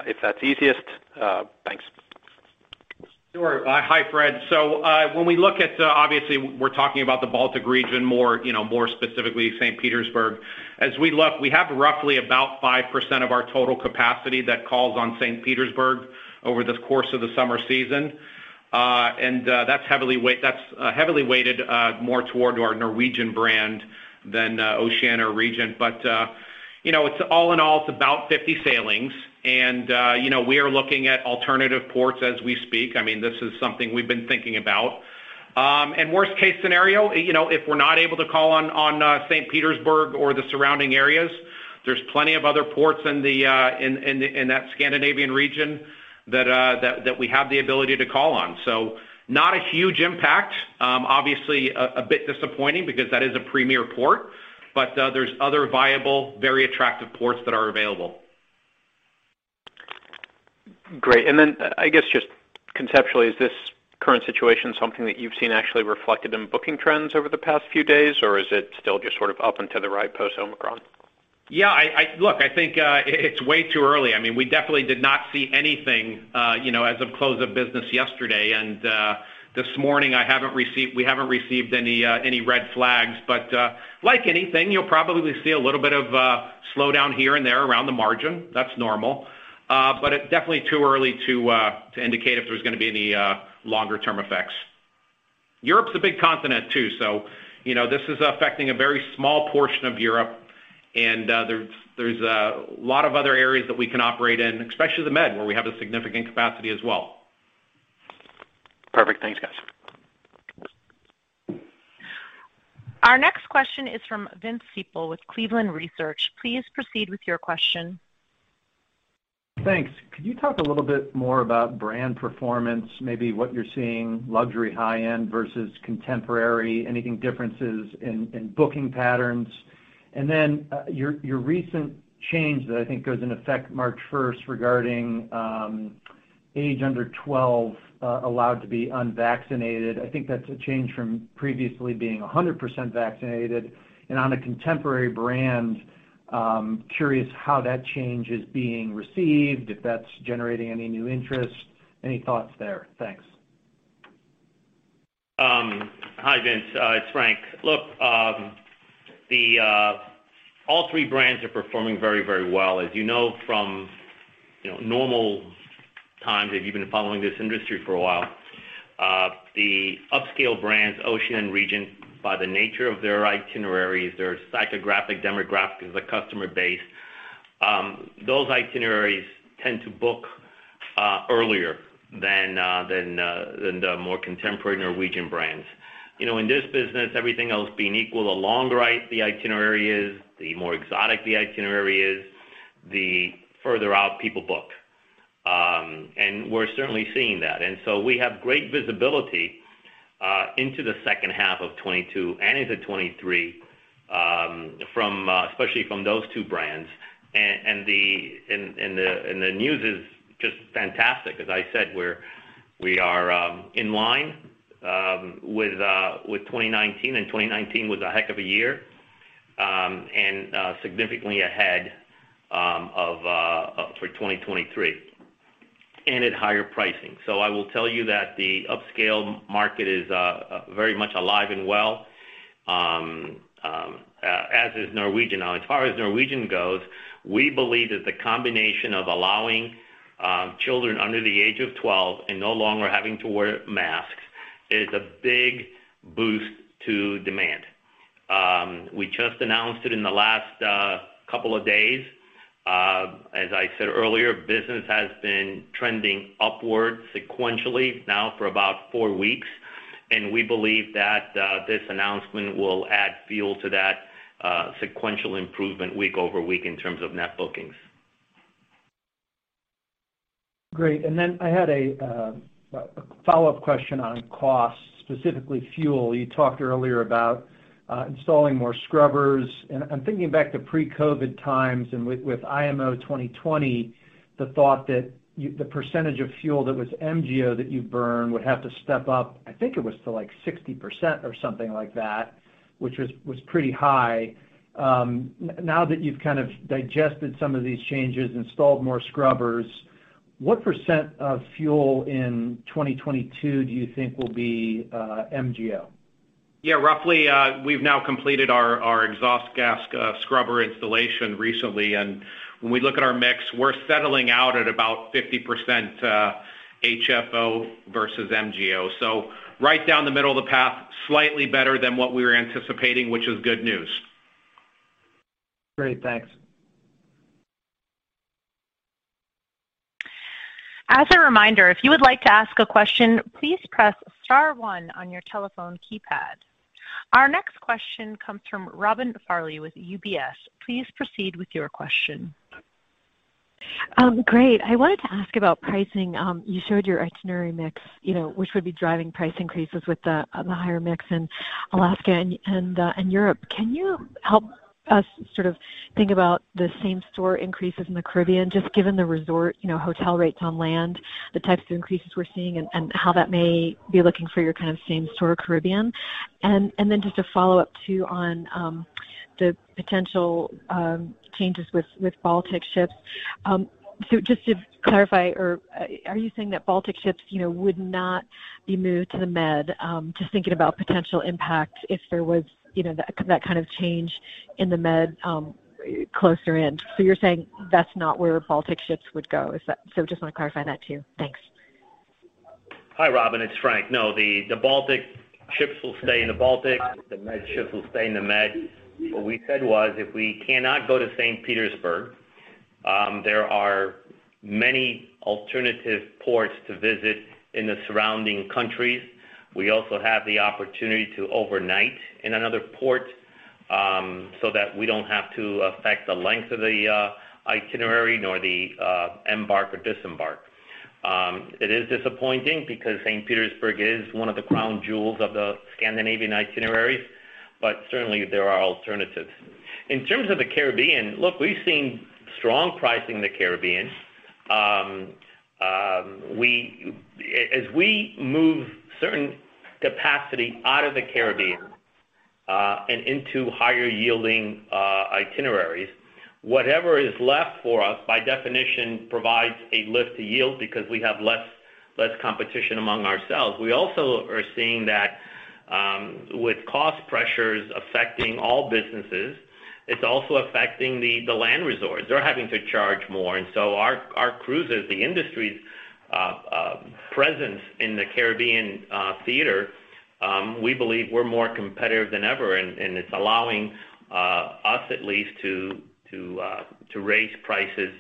if that's easiest. Thanks. Sure. Hi, Fred. When we look at, obviously we're talking about the Baltic region more, you know, more specifically St. Petersburg. As we look, we have roughly about 5% of our total capacity that calls on St. Petersburg over the course of the summer season. And that's heavily weighted more toward our Norwegian brand than Oceania or Regent. You know, it's all in all, it's about 50 sailings. You know, we are looking at alternative ports as we speak. I mean, this is something we've been thinking about. And worst case scenario, you know, if we're not able to call on St. Petersburg or the surrounding areas, there's plenty of other ports in that Scandinavian region that we have the ability to call on. Not a huge impact. Obviously a bit disappointing because that is a premier port, but there's other viable, very attractive ports that are available. Great. I guess just conceptually, is this current situation something that you've seen actually reflected in booking trends over the past few days, or is it still just sort of up into the right post Omicron? Yeah, look, I think it's way too early. I mean, we definitely did not see anything, you know, as of close of business yesterday. This morning, we haven't received any red flags. Like anything, you'll probably see a little bit of slowdown here and there around the margin. That's normal. It's definitely too early to indicate if there's gonna be any longer term effects. Europe's a big continent too, so you know, this is affecting a very small portion of Europe. There's a lot of other areas that we can operate in, especially the Med, where we have a significant capacity as well. Perfect. Thanks, guys. Our next question is from Vince Ciepiel with Cleveland Research. Please proceed with your question. Thanks. Could you talk a little bit more about brand performance, maybe what you're seeing luxury high-end versus contemporary, any differences in booking patterns? Your recent change that I think goes in effect March first regarding age under 12 allowed to be unvaccinated. I think that's a change from previously being 100% vaccinated. On a contemporary brand, curious how that change is being received, if that's generating any new interest. Any thoughts there? Thanks. Hi, Vince. It's Frank. Look, all three brands are performing very, very well. As you know from, you know, normal times, if you've been following this industry for a while, the upscale brands, Oceania and Regent, by the nature of their itineraries, their psychographic, demographic as a customer base, those itineraries tend to book earlier than the more contemporary Norwegian brands. You know, in this business, everything else being equal, the longer the itinerary is, the more exotic the itinerary is, the further out people book. We're certainly seeing that. So we have great visibility into the second half of 2022 and into 2023, especially from those two brands. The news is just fantastic. As I said, we are in line with 2019, and 2019 was a heck of a year, and significantly ahead of 2023, and at higher pricing. I will tell you that the upscale market is very much alive and well, as is Norwegian. Now as far as Norwegian goes, we believe that the combination of allowing children under the age of 12 and no longer having to wear masks is a big boost to demand. We just announced it in the last couple of days. As I said earlier, business has been trending upward sequentially now for about four weeks, and we believe that this announcement will add fuel to that sequential improvement week-over-week in terms of net bookings. Great. I had a follow-up question on cost, specifically fuel. You talked earlier about installing more scrubbers, and I'm thinking back to pre-COVID times and with IMO 2020, the thought that the percentage of fuel that was MGO that you burn would have to step up, I think it was to like 60% or something like that, which was pretty high. Now that you've kind of digested some of these changes, installed more scrubbers, what percent of fuel in 2022 do you think will be MGO? Yeah. Roughly, we've now completed our exhaust gas scrubber installation recently, and when we look at our mix, we're settling out at about 50% HFO versus MGO. Right down the middle of the path, slightly better than what we were anticipating, which is good news. Great. Thanks. As a reminder, if you would like to ask a question, please press star one on your telephone keypad. Our next question comes from Robin Farley with UBS. Please proceed with your question. Great. I wanted to ask about pricing. You showed your itinerary mix, you know, which would be driving price increases with the higher mix in Alaska and in Europe. Can you help us sort of think about the same store increases in the Caribbean, just given the resort, you know, hotel rates on land, the types of increases we're seeing and how that may be looking for your kind of same store Caribbean? And then just to follow up too on the potential changes with Baltic ships. So just to clarify, are you saying that Baltic ships, you know, would not be moved to the Med? Just thinking about potential impact if there was, you know, that kind of change in the Med closer in. You're saying that's not where Baltic ships would go? Just wanna clarify that too. Thanks. Hi, Robin. It's Frank. No, the Baltic ships will stay in the Baltic. The Med ships will stay in the Med. What we said was, if we cannot go to St. Petersburg, there are many alternative ports to visit in the surrounding countries. We also have the opportunity to overnight in another port, so that we don't have to affect the length of the itinerary nor the embark or disembark. It is disappointing because St. Petersburg is one of the crown jewels of the Scandinavian itineraries, but certainly there are alternatives. In terms of the Caribbean, look, we've seen strong pricing in the Caribbean. As we move certain capacity out of the Caribbean, and into higher-yielding itineraries, whatever is left for us, by definition, provides a lift to yield because we have less competition among ourselves. We also are seeing that, with cost pressures affecting all businesses, it's also affecting the land resorts. They're having to charge more, and so our cruises, the industry's presence in the Caribbean theater, we believe we're more competitive than ever, and it's allowing us at least to raise prices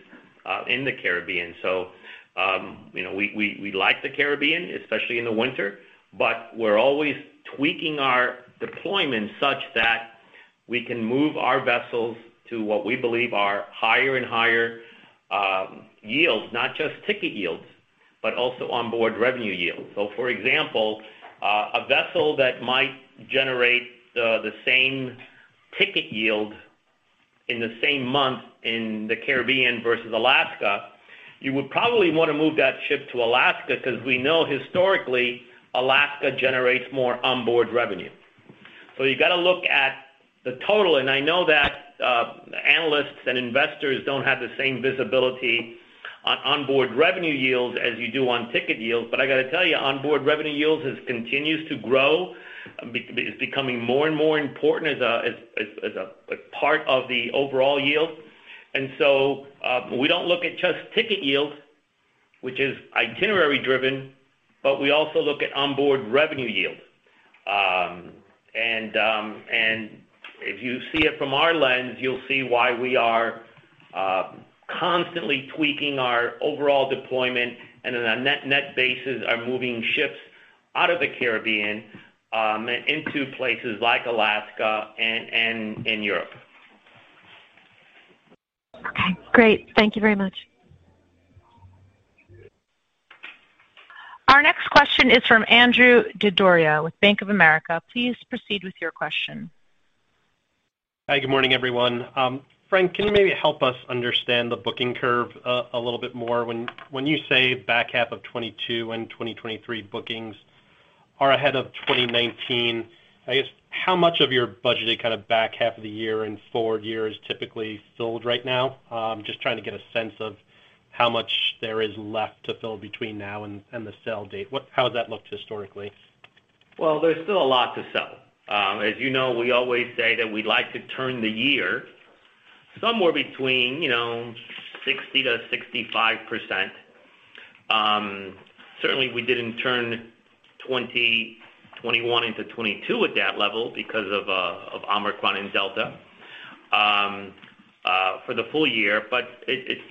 in the Caribbean. You know, we like the Caribbean, especially in the winter, but we're always tweaking our deployment such that we can move our vessels to what we believe are higher and higher yields. Not just ticket yields, but also onboard revenue yields. For example, a vessel that might generate the same ticket yield in the same month in the Caribbean versus Alaska, you would probably wanna move that ship to Alaska because we know historically Alaska generates more onboard revenue. You've got to look at the total. I know that analysts and investors don't have the same visibility on onboard revenue yields as you do on ticket yields. I got to tell you, onboard revenue yields has continued to grow, becoming more and more important as a part of the overall yield. We don't look at just ticket yield, which is itinerary-driven, but we also look at onboard revenue yield. If you see it from our lens, you'll see why we are constantly tweaking our overall deployment, and on a net basis, are moving ships out of the Caribbean into places like Alaska and in Europe. Okay, great. Thank you very much. Our next question is from Andrew Didora with Bank of America. Please proceed with your question. Hi, good morning, everyone. Frank, can you maybe help us understand the booking curve a little bit more? When you say back half of 2022 and 2023 bookings are ahead of 2019, I guess, how much of your budgeted kind of back half of the year and forward year is typically filled right now? Just trying to get a sense of how much there is left to fill between now and the sell date. How does that look historically? Well, there's still a lot to sell. As you know, we always say that we like to turn the year somewhere between, you know, 60%-65%. Certainly we didn't turn 2021 into 2022 at that level because of Omicron and Delta for the full year. It's,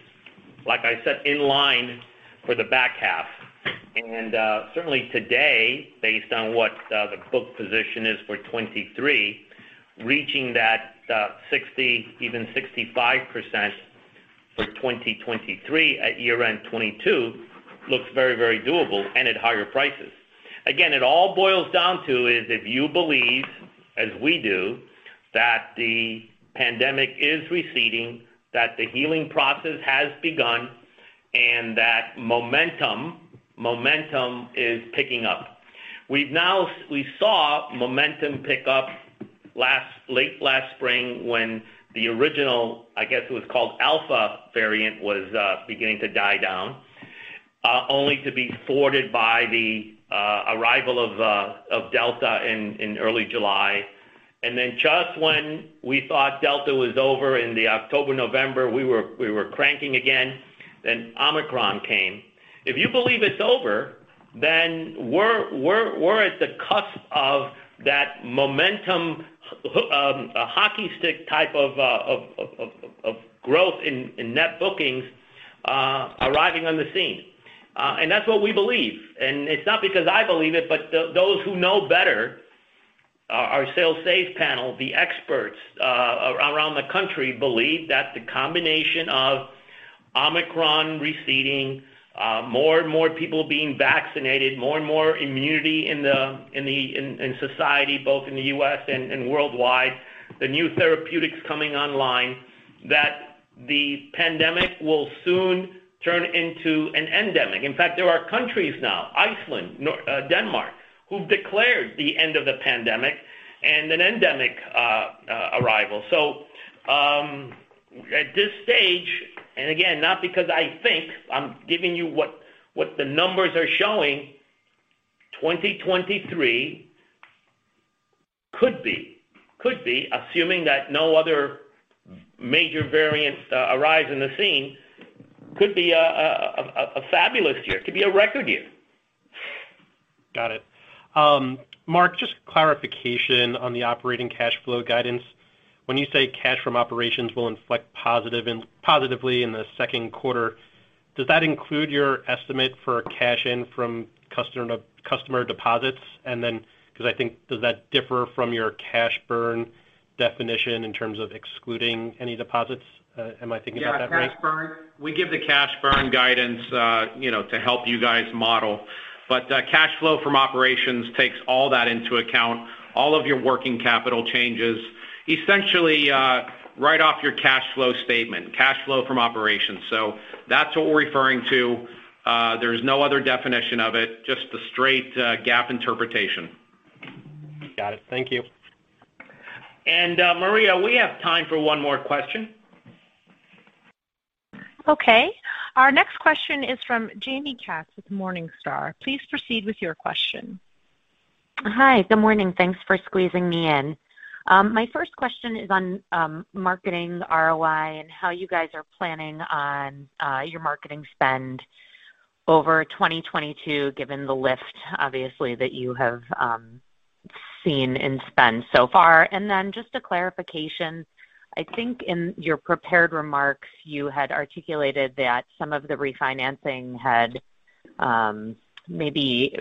like I said, in line for the back half. Certainly today, based on what the book position is for 2023, reaching that 60%, even 65% for 2023 at year-end 2022 looks very, very doable and at higher prices. Again, it all boils down to is if you believe, as we do, that the pandemic is receding, that the healing process has begun, and that momentum is picking up. We saw momentum pick up late last spring when the original, I guess, it was called Alpha variant, was beginning to die down, only to be thwarted by the arrival of Delta in early July. Just when we thought Delta was over in October, November, we were cranking again, then Omicron came. If you believe it's over, we're at the cusp of that momentum hockey stick type of growth in net bookings arriving on the scene. That's what we believe. It's not because I believe it, but those who know better, our SailSAFE panel, the experts around the country believe that the combination of Omicron receding, more and more people being vaccinated, more and more immunity in the society, both in the U.S. and worldwide, the new therapeutics coming online, that the pandemic will soon turn into an endemic. In fact, there are countries now, Iceland, Norway, Denmark, who've declared the end of the pandemic and an endemic arrival. At this stage, and again, not because I think, I'm giving you what the numbers are showing, 2023 could be, assuming that no other major variants arise in the scene, a fabulous year. It could be a record year. Got it. Mark, just clarification on the operating cash flow guidance. When you say cash from operations will inflect positively in the second quarter, does that include your estimate for cash in from customer deposits? Because I think does that differ from your cash burn definition in terms of excluding any deposits? Am I thinking about that right? Yeah, cash burn. We give the cash burn guidance, you know, to help you guys model. Cash flow from operations takes all that into account, all of your working capital changes, essentially, right off your cash flow statement, cash flow from operations. That's what we're referring to. There is no other definition of it, just the straight GAAP interpretation. Got it. Thank you. Maria, we have time for one more question. Okay. Our next question is from Jaime Katz with Morningstar. Please proceed with your question. Hi, good morning. Thanks for squeezing me in. My first question is on marketing ROI and how you guys are planning on your marketing spend over 2022, given the lift, obviously, that you have seen in spend so far. Just a clarification, I think in your prepared remarks, you had articulated that some of the refinancing had maybe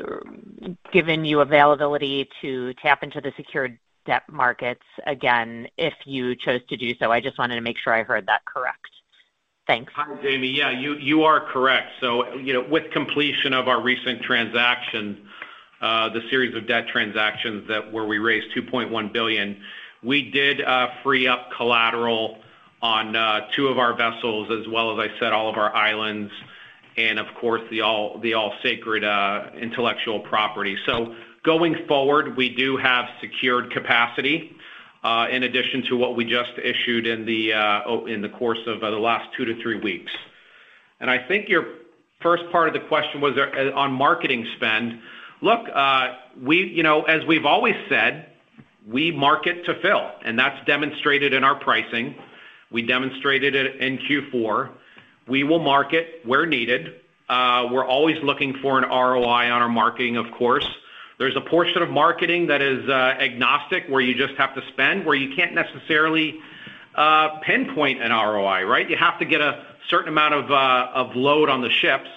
given you availability to tap into the secured debt markets again, if you chose to do so. I just wanted to make sure I heard that correct. Thanks. Hi, Jamie. Yeah, you are correct. You know, with completion of our recent transaction, the series of debt transactions where we raised $2.1 billion, we did free up collateral on two of our vessels as well as, I said, all of our islands. Of course, the all-sacred intellectual property. Going forward, we do have secured capacity in addition to what we just issued in the course of the last two to three weeks. I think your first part of the question was on marketing spend. Look, we, you know, as we've always said, we market to fill, and that's demonstrated in our pricing. We demonstrated it in Q4. We will market where needed. We're always looking for an ROI on our marketing of course. There's a portion of marketing that is agnostic, where you just have to spend, where you can't necessarily pinpoint an ROI, right? You have to get a certain amount of load on the ships.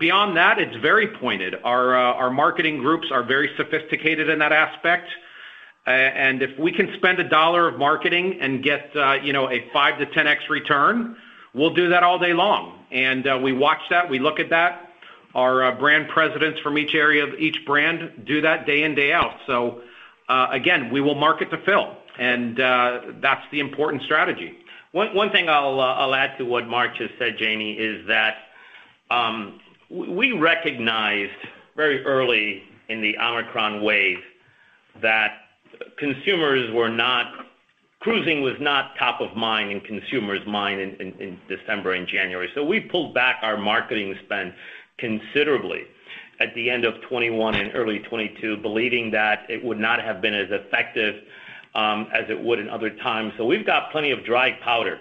Beyond that, it's very pointed. Our marketing groups are very sophisticated in that aspect. If we can spend $1 of marketing and get, you know, a 5-10x return, we'll do that all day long. We watch that, we look at that. Our brand presidents from each area of each brand do that day in, day out. Again, we will market to fill, and that's the important strategy. One thing I'll add to what Mark just said, Jaime, is that we recognized very early in the Omicron wave that cruising was not top of mind in consumers' mind in December and January. We pulled back our marketing spend considerably at the end of 2021 and early 2022, believing that it would not have been as effective as it would in other times. We've got plenty of dry powder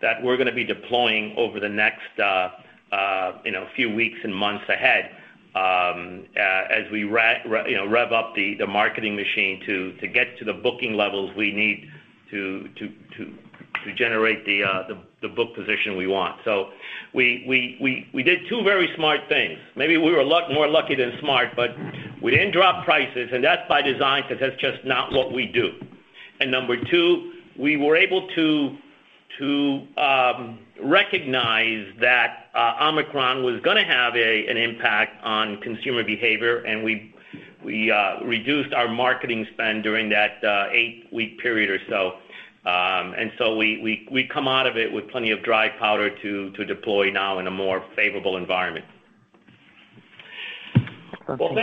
that we're gonna be deploying over the next you know, few weeks and months ahead, as we you know, rev up the marketing machine to get to the booking levels we need to generate the book position we want. We did two very smart things. Maybe we were more lucky than smart, but we didn't drop prices, and that's by design, because that's just not what we do. Number two, we were able to recognize that Omicron was gonna have an impact on consumer behavior, and we reduced our marketing spend during that eight-week period or so. We come out of it with plenty of dry powder to deploy now in a more favorable environment. Well,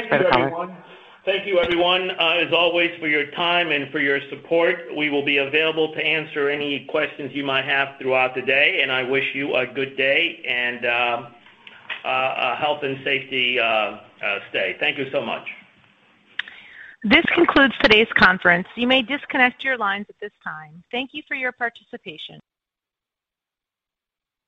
thank you, everyone, as always, for your time and for your support. We will be available to answer any questions you might have throughout the day, and I wish you a good day and a healthy and safe stay. Thank you so much. This concludes today's conference. You may disconnect your lines at this time. Thank you for your participation.